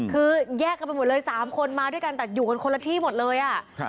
คือแยกกันไปหมดเลย๓คนมาด้วยกันแต่อยู่กันคนละที่หมดเลยอ่ะ